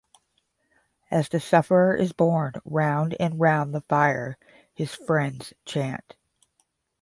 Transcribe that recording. As the sufferer is borne round and round the fire, his friends chant.